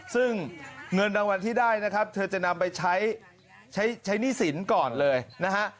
ซึ่งเงินรางวัลที่ได้นะครับเธอจะนำไปใช้ใช้หนี้สินก่อนเลยนะฮะ